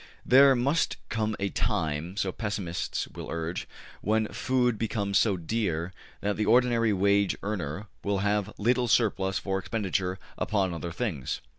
There must come a time, so pessimists will urge, when food becomes so dear that the ordinary wage earner will have little surplus for expenditure upon other things.